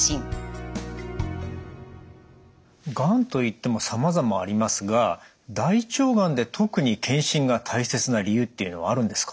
がんといってもさまざまありますが大腸がんで特に検診が大切な理由っていうのはあるんですか？